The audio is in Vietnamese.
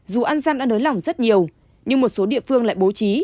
dù an dân đã nới lỏng rất nhiều nhưng một số địa phương lại bố trí